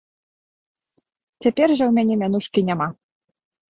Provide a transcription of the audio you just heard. Цяпер жа ў мяне мянушкі няма.